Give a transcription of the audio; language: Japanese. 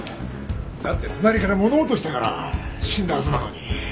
だって隣から物音したから死んだはずなのに。